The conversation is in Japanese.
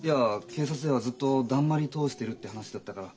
警察ではずっとだんまり通してるって話だったから。